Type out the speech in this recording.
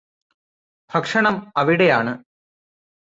ഭക്ഷണം അവിടെയാണ്